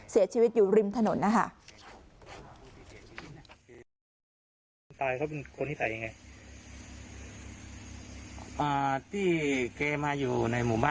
เสียชีวิตอยู่ริมถนนนะคะ